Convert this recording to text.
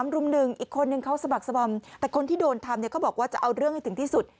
รุ่ม๑อีกคนนึงเขาสะบักสบอมแต่คนที่โดนทำเนี่ยเขาบอกว่าจะเอาเรื่องให้ถึงที่สุด